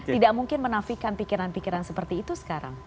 tidak mungkin menafikan pikiran pikiran seperti itu sekarang